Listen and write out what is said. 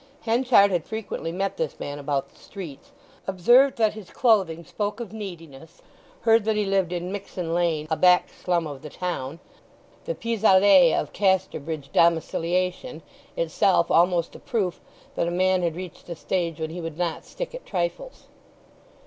Henchard had frequently met this man about the streets, observed that his clothing spoke of neediness, heard that he lived in Mixen Lane—a back slum of the town, the pis aller of Casterbridge domiciliation—itself almost a proof that a man had reached a stage when he would not stick at trifles.